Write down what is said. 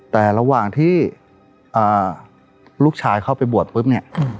แต่ระหว่างที่ลูกชายเข้าไปบวช